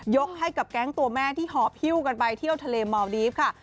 ให้กับแก๊งตัวแม่ที่หอบฮิ้วกันไปเที่ยวทะเลเมาดีฟค่ะ